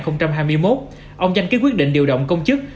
năm hai nghìn hai mươi một ông danh ký quyết định điều động công chức